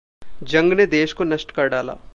जंग ने देश को नष्ट कर डाला।